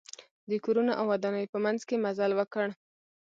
د کورونو او ودانیو په منځ کې مزل وکړ.